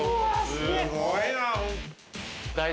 すごいな。